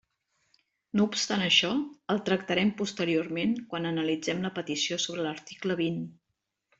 No obstant això, el tractarem posteriorment, quan analitzem la petició sobre l'article vint.